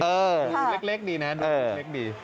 ดูเล็กดีนะดูเล็กดี